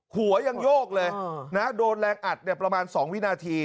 หัวยังโยกเลยนะฮะโดนแรงอัดเนี้ยประมาณสองวินาที